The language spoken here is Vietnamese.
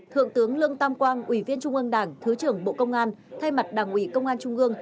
thượng tướng lương tam quang ủy viên trung ương đảng thứ trưởng bộ công an thay mặt đảng ủy công an trung ương